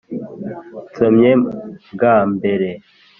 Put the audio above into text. nsomye bwa mbere!